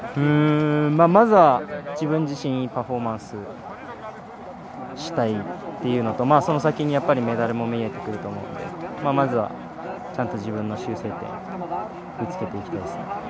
まずは、自分自身いいパフォーマンスをしたいっていうのと、その先にメダルも見えてくると思うので、まずはちゃんと自分の修正点を見つけていきたいです。